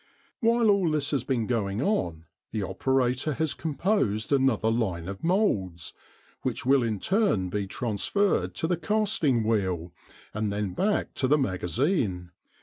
While all this has been going on, the operator has composed another line of moulds, which will in turn be transferred to the casting wheel, and then back to the magazine.